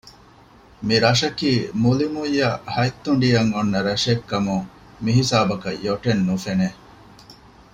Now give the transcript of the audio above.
މިރަށަކީ މުލިމުއްޔަށް ހަތް ތުނޑިއަށް އޮންނަ ރަށެއް ކަމުން މިހިސާބަކަށް ޔޮޓެއް ނުފެނެ